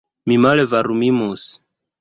Mi malvarmumis.